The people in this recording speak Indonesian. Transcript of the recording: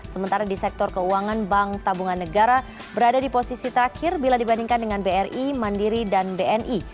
sementara di sektor keuangan bank tabungan negara berada di posisi terakhir bila dibandingkan dengan bri mandiri dan bni